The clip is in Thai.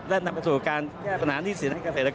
และนำไปสู่การแก้ปัญหาหนี้สินให้เกษตร